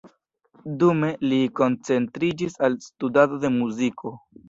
Dume, li koncentriĝis al studado de muziko.